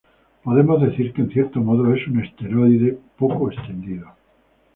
Podemos decir que en cierto modo es un esteroide poco extendido.